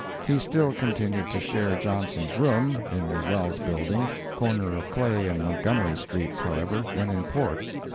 He still continued to share Johnson's room, in the Wells Building, corner of Clay and Montgomery streets, however, when in port.